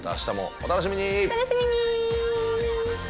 お楽しみに！